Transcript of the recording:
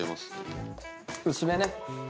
薄めね。